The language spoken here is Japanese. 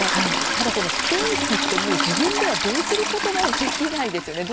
ただ、この天気ってもう自分ではどうすることもできないですよね。